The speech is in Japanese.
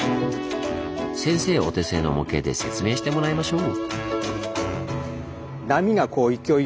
先生お手製の模型で説明してもらいましょう！